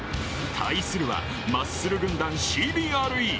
対するはマッスル軍団ＣＢＲＥ。